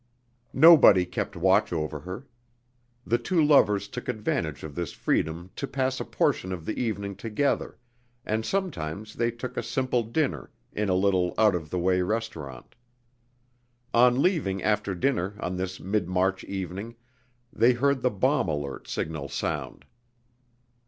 Nobody kept watch over her. The two lovers took advantage of this freedom to pass a portion of the evening together and sometimes they took a simple dinner in a little out of the way restaurant. On leaving after dinner on this mid March evening they heard the bomb alert signal sound.